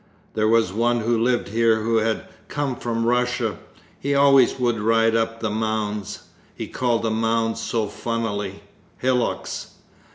There was one who lived here who had come from Russia, he always would ride up the mounds (he called the mounds so funnily, "hillocks").